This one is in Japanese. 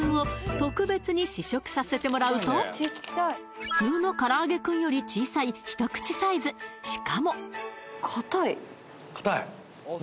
特別に試食させてもらうと普通のからあげクンより小さい一口サイズしかもかたい？